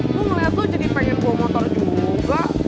gue ngeliat tuh jadi pengen bawa motor juga